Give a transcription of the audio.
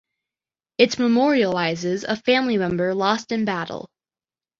It memorialises a family member lost in battle.